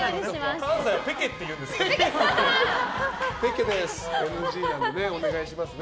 関西はペケって言うんですね。